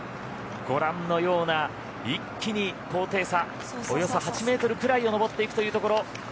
ご覧のような一気に高低差およそ８ｍぐらいを上っていくというところ。